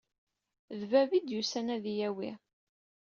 D baba ay d-yusan ad iyi-yawi.